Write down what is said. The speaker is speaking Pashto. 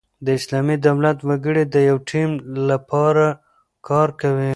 د اسلامي دولت وګړي د یوه ټیم له پاره کار کوي.